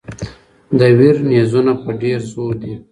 د ویر نیزونه په ډېر زور دي.